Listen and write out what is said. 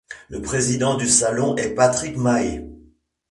Le président du salon est Patrick Mahé.